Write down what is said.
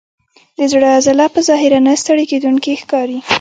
د زړه عضله په ظاهره نه ستړی کېدونکې ښکاري.